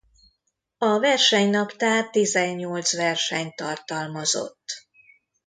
A versenynaptár tizennyolc versenyt tartalmazott.